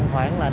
ít hàng lại